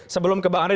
sebelum ke bang andre